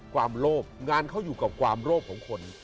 ความโลภงานเขาอยู่กับความโลภของคน